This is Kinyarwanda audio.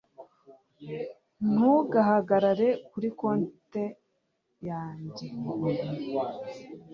Ntugahagarare kuri konti yanjye